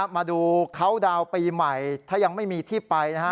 มาดูเขาดาวน์ปีใหม่ถ้ายังไม่มีที่ไปนะฮะ